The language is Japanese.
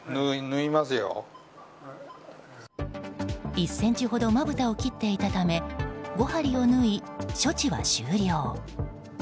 １ｃｍほどまぶたを切っていたため５針を縫い、処置は終了。